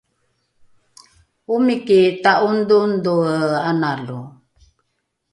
omiki ta’ongdhoongdhoe analo